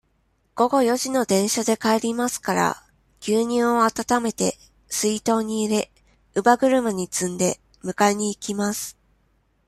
午後四時の電車で帰りますから、牛乳をあたためて、水筒に入れ、乳母車に積んで、迎えに行きます。